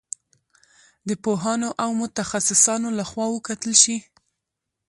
د پوهانو او متخصصانو له خوا وکتل شي.